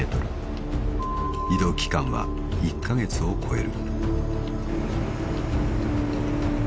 ［移動期間は１カ月を超える］